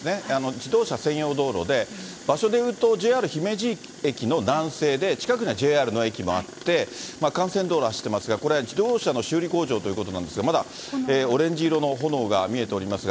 自動車専用道路で、場所で言うと、ＪＲ姫路駅の南西で、近くにはＪＲの駅もあって、幹線道路走ってますが、これは自動車の修理工場ということなんですが、まだオレンジ色の炎が見えておりますが。